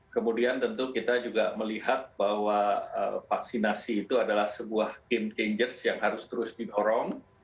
kemudian tentu kita juga melihat bahwa vaksinasi itu adalah sebuah game changers yang harus terus didorong